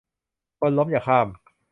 คนล้มอย่าข้าม